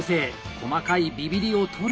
細かいビビりを取る！